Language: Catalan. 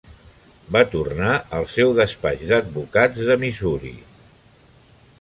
Va tornar al seu despatx d'advocats de Missouri.